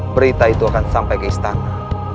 berita itu akan sampai ke istana